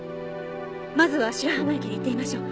まずは白浜駅に行ってみましょう。